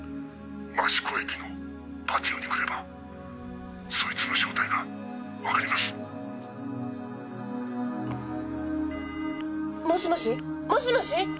益子駅のパティオに来ればそいつの正体がわかります」もしもし？もしもし？